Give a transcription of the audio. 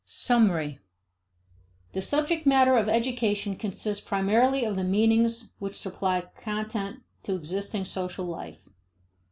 Summary. The subject matter of education consists primarily of the meanings which supply content to existing social life.